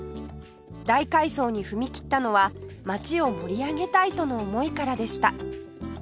大改装に踏み切ったのは街を盛り上げたいとの思いからでした